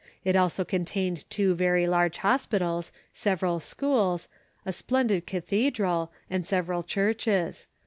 It also contained two very large hospitals, several schools, a splendid cathedral, and several churches.